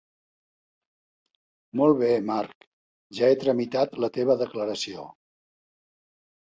Molt bé, Marc, ja he tramitat la teva declaració.